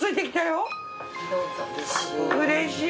うれしい。